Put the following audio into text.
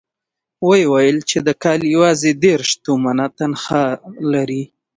ويې ويل چې د کال يواځې دېرش تومنه تنخوا لري.